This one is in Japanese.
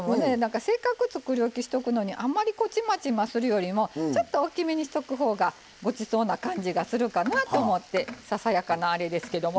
せっかくつくりおきしておくのにあんまりちまちまするよりもちょっとおっきめにしとく方がごちそうな感じがするかなと思ってささやかなあれですけども。